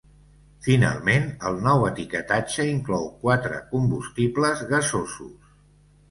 Finalment, el nou etiquetatge inclou quatre combustibles gasosos.